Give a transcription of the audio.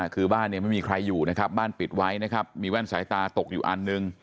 คือบ้านเนี่ยไม่มีใครอยู่นะครับบ้านปิดไว้นะครับมีแว่นสายตาตกอยู่อันหนึ่ง